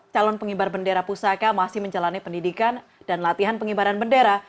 calon pengibar bendera pusaka masih menjalani pendidikan dan latihan pengibaran bendera